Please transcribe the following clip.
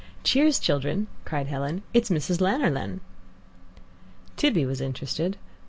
"Cheers, children!" cried Helen. "It's Mrs. Lanoline." Tibby was interested.